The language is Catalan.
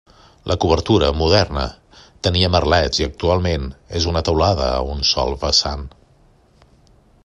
La cobertura, moderna, tenia merlets i actualment és una teulada a un sol vessant.